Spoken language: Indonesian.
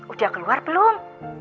udah keluar belum